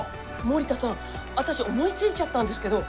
森田さんあたし思いついちゃったんですけど